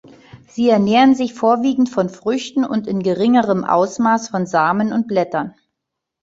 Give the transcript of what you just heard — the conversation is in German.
Sie ernähren sich vorwiegend von Früchten und in geringerem Ausmaß von Samen und Blättern.